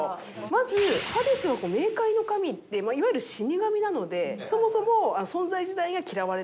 まずハデスは冥界の神っていわゆる死神なのでそもそも存在自体が嫌われております。